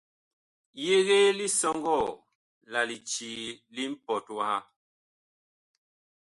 Yegee lisɔŋgɔɔ la licii li mpɔt waha.